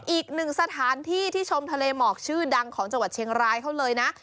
อีกหนึ่งสถานที่ที่ชมทะเลหมอกชื่อดังของจังหวัดเชียงรายเขาเลยนะ